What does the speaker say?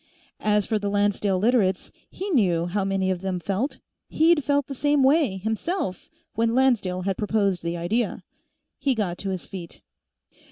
As for the Lancedale Literates, he knew how many of them felt. He'd felt the same way, himself, when Lancedale had proposed the idea. He got to his feet.